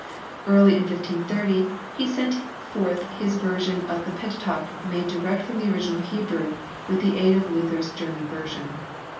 Early in 1530 he sent forth his version of the Pentateuch made direct from the original Hebrew with the aid of Luther s German version.